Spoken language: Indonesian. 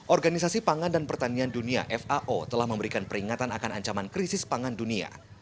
organisasi pangan dan pertanian dunia fao telah memberikan peringatan akan ancaman krisis pangan dunia